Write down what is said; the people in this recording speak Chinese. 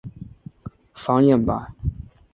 繁衍吧！